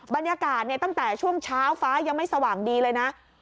บรรยากาศตั้งแต่ช่วงเช้าฟ้ายังไม่สว่างดีเลยนะ